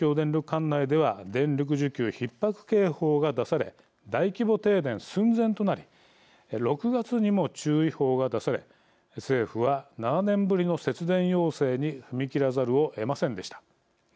管内では電力需給ひっ迫警報が出され大規模停電、寸前となり６月にも注意報が出され政府は７年ぶりの節電要請に踏み切らざるをえませんでした。